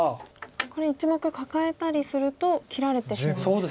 これ１目カカえたりすると切られてしまうんですか。